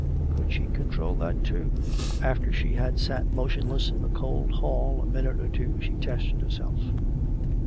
Could she control that too.f* After she had sat motionless in the cold hall a minute or two, she tested herself.